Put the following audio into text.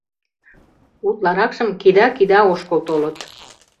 Утларакшым кида-кида ошкыл толыт.